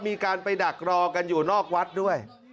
มีการไปดักรอกันอยู่นอกวัดด้วย